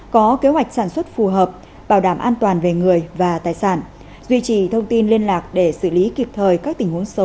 có kế hoạch sản xuất phù hợp bảo đảm an toàn về người và tài sản